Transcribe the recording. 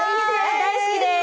大好きです！